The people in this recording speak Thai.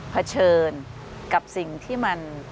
เผชิญกับสิ่งที่มัน